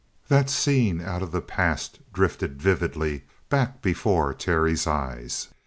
That scene out of the past drifted vividly back before Terry's eyes.